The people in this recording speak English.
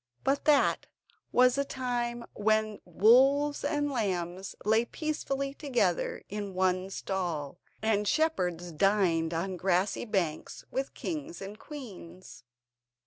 But that was the time when wolves and lambs lay peacefully together in one stall, and shepherds dined on grassy banks with kings and queens.